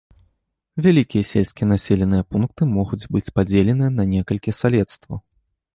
Вялікія сельскія населеныя пункты могуць быць падзеленыя на некалькі салецтваў.